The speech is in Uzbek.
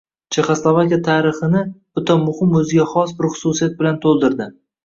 Chexoslovakiya tarixini o‘ta muhim o‘ziga xos bir xususiyat bilan to‘ldirdi: